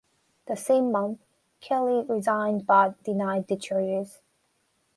The same month, Kelley resigned but denied the charges.